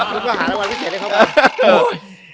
คุณก็หารางวัลพิเศษให้เขาบ้าง